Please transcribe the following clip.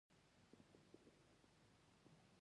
بادام د افغان ماشومانو د لوبو یوه جالبه موضوع ده.